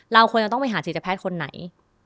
เราควรจะต้องไปหาจิตแพทย์คนไหน